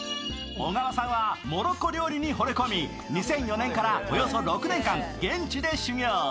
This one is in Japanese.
小川さんはモロッコ料理にほれ込み２００４年からおよそ６年間現地で修業。